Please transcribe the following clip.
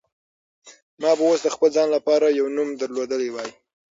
ما به اوس د خپل ځان لپاره یو نوم درلودلی وای.